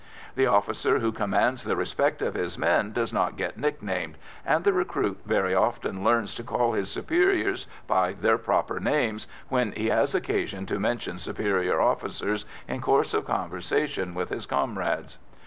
The officer who commands the respect of his men does not get nicknamed, and the recruit very soon learns to call his superiors by their proper names when he has occasion to mention superior officers in course of conversation with his comrades.